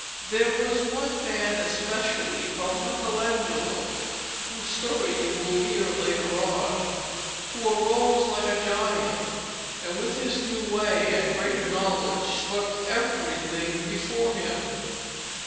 There was one man especially, called Michelangelo, whose story you will hear later on, who arose like a giant, and with his new way and greater knowledge swept everything before him.